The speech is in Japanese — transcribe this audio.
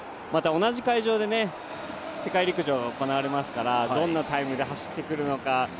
同じ会場で、世界陸上が行われますからどんなタイムで走ってくるのか。